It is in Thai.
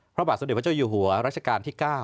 พระบาทสมเด็จพระเจ้าอยู่หัวรัชกาลที่๙